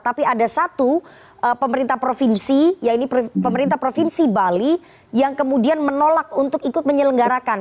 tapi ada satu pemerintah provinsi ya ini pemerintah provinsi bali yang kemudian menolak untuk ikut menyelenggarakan